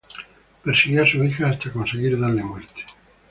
Persiguió a su hija hasta conseguir darle muerte.